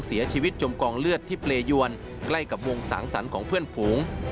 จมกองเลือดที่เปรยวนใกล้กับวงสังสรรค์ของเพื่อนฝูง